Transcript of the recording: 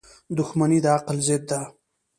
• دښمني د عقل ضد ده.